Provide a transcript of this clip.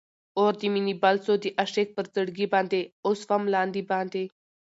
اور د مینی بل سو د عاشق پر زړګي باندي، اوسوم لاندی باندي